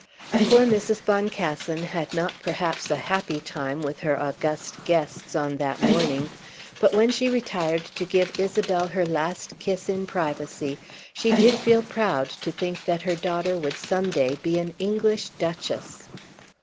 Poor Mrs. Boncassen had not perhaps a happy time with her august guests on that morning; but when she retired to give Isabel her last kiss in privacy she did feel proud to think that her daughter would some day be an English Duchess.